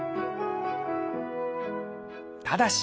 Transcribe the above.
ただし